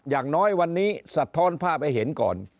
อย่างน้อยวันนี้สะท้อนภาพให้เห็นก่อน